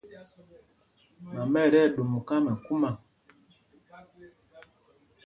Mama ɛ tí ɛɗum kámɛkúma.